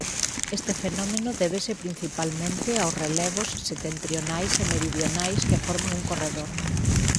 Este fenómeno débese principalmente aos relevos setentrionais e meridionais que forman un corredor.